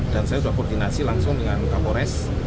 dan saya sudah koordinasi langsung dengan kapolres